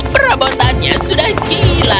perabotannya sudah gila